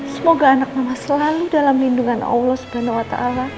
semoga anak mama selalu dalam lindungan allah swt